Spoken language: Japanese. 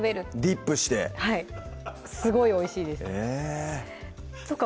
ディップしてはいすごいおいしいですとか